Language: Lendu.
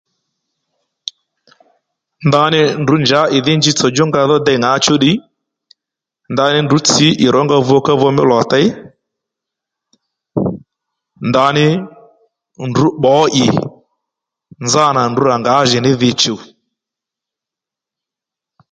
Ndaní ndrǔ njǎ ì dhí njitsò djúnga dho dey ŋǎchú ddiy ndaní ndrǔ tsǐ ì rónga vukavu mí lòtey ndaní ndrǔ pbǒ ì nzánà ndrǔ rǎ ngǎjìní dhi chùw